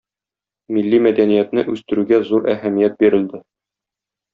Милли мәдәниятне үстерүгә зур әһәмият бирелде.